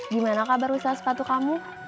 gimana kabar usaha sepatu kamu